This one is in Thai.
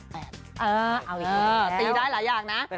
ตีได้หลายอย่างนะ